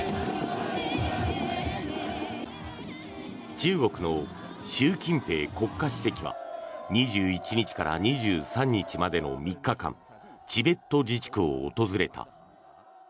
中国の習近平国家主席は２１日から２３日までの３日間チベット自治区を訪れた。